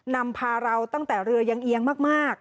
นำพาเราตั้งแต่เรือยังเอียงมาก